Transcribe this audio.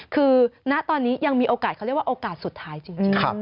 คือณตอนนี้ยังมีโอกาสเขาเรียกว่าโอกาสสุดท้ายจริง